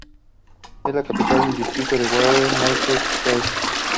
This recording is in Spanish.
Es la capital del distrito de Werra-Meißner-Kreis.